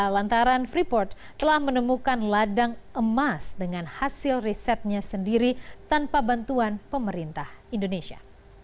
lantaran freeport telah menemukan ladang emas dengan hasil risetnya sendiri tanpa bantuan pemerintah indonesia